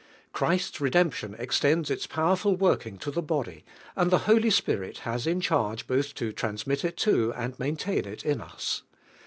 Christ's redemption extends its powerful worijmgto'tne body and Hie Holy Spirit has in charge both to transmit it to and maintain it in us.